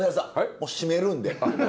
もう締めるんで。